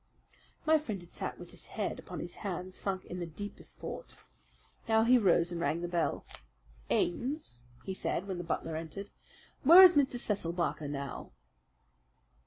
My friend had sat with his head upon his hands, sunk in the deepest thought. Now he rose and rang the bell. "Ames," he said, when the butler entered, "where is Mr. Cecil Barker now?"